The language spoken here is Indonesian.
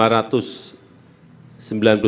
dan akan menggelar ke kampuji